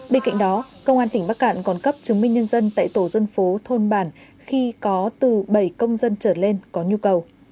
bên cạnh đó công an tỉnh bắc cạn còn cấp chứng minh nhân dân tại tổ dân phố thôn bản khi có từ bảy công dân trở lên có nhu cầu